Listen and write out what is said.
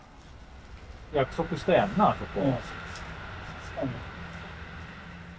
約束したやんなそこ。